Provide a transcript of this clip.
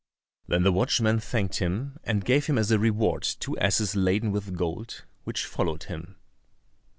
Then the watchman thanked him, and gave him as a reward two asses laden with gold, which followed him.